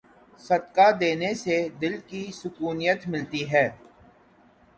صدقہ دینے سے دل کی سکونیت ملتی ہے۔